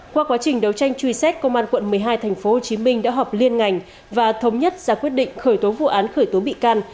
qua quá trình đấu tranh truy xét công an quận một mươi hai tp hcm đã họp liên ngành và thống nhất ra quyết định khởi tố vụ án khởi tố bị can